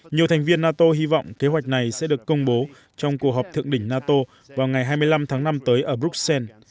nhiều thành viên nato hy vọng kế hoạch này sẽ được công bố trong cuộc họp thượng đỉnh nato vào ngày hai mươi năm tháng năm tới ở bruxelles